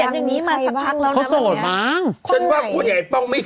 ยังใครบ้างเนี่ยพนนี้มาสักพักแล้วนะคนนี้เขาโสดมาก